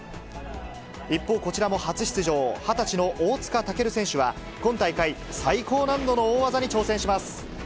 一方、こちらも初出場、２０歳の大塚健選手は、今大会、最高難度の大技に挑戦します。